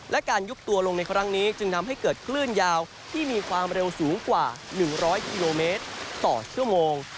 และการยุบตัวลงในครั้งนี้จึงทำให้เกิดคลื่นยาวที่มีความเร็วสูงกว่า๑๐๐กิโลเมตรต่อชั่วโมง